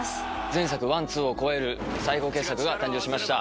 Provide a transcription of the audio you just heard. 前作１２を超える最高傑作が誕生しました。